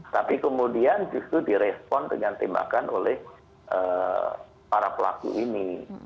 tapi kemudian justru direspon dengan tembakan oleh para pelaku ini